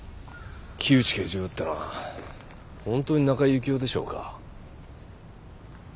木内刑事を撃ったのはほんとに中井幸雄でしょうか？